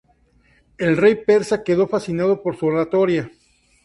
El rey persa quedó fascinado por su oratoria.